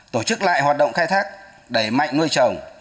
tổ chức lại hoạt động khai thác đẩy mạnh nuôi trồng